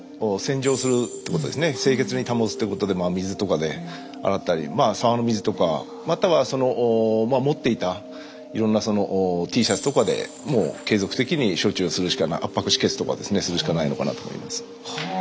清潔に保つってことで真水とかで洗ったりまあ沢の水とかまたは持っていたいろんなＴシャツとかでもう継続的に処置をするしか圧迫止血とかですねするしかないのかなと思います。